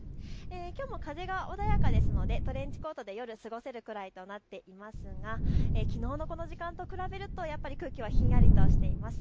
きょうも風が穏やかですのでトレンチコートで夜、過ごせるくらいとなっていますがきのうのこの時間と比べるとやっぱり空気はひんやりとしています。